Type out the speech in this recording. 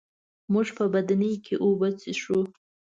موږ په بدنۍ کي اوبه څښو.